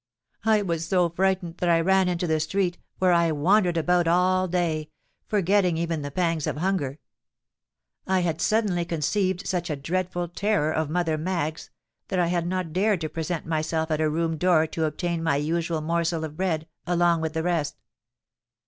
_ "I was so frightened, that I ran into the street, where I wandered about all day—forgetting even the pangs of hunger. I had suddenly conceived such a dreadful terror of Mother Maggs, that I had not dared to present myself at her room door to obtain my usual morsel of bread, along with the rest.